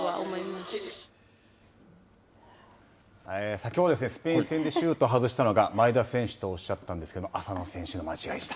先ほどですね、スペイン戦、シュートを外したのが前田選手とおっしゃったんですけど、浅野選手の間違いでした。